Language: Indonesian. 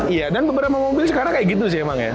iya dan beberapa mobil sekarang kayak gitu sih emang ya